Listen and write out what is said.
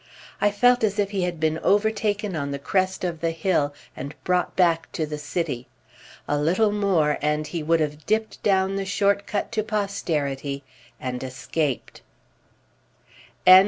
I felt as if he had been overtaken on the crest of the hill and brought back to the city. A little more and he would have dipped down the short cut to posterity and escaped.